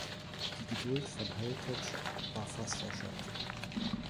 Die Geduld von Heritage war fast erschöpft.